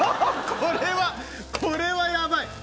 これはこれはヤバい！